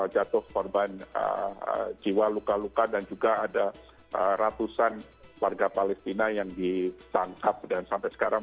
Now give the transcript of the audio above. jatuh korban jiwa luka luka dan juga ada ratusan warga palestina yang ditangkap dan sampai sekarang